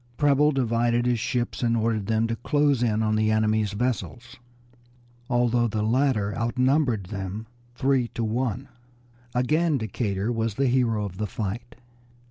Preble divided his ships, and ordered them to close in on the enemy's vessels, although the latter outnumbered them three to one. Again Decatur was the hero of the fight.